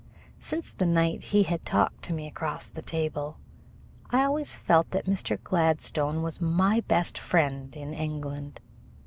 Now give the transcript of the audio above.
Since the night he had talked to me across the table I always felt that Mr. Gladstone was my best friend in England.